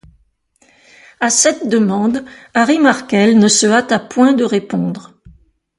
À cette demande, Harry Markel ne se hâta point de répondre.